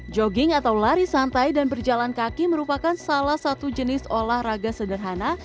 jogging atau lari santai dan berjalan kaki merupakan salah satu jenis olahraga sederhana